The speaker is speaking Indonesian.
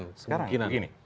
nah sekarang begini